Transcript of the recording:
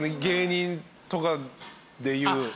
芸人とかでいう。